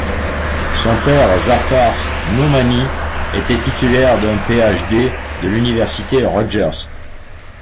Son père, Zafar Nomani, était titulaire d'un Ph.D de l'Université Rutgers.